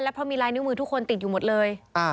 เพราะมีลายนิ้วมือทุกคนติดอยู่หมดเลย